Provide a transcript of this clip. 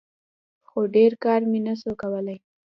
خو ډېر کار مې نسو کولاى.